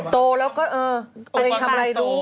โตแล้วก็อืมโตมากต่างจะโต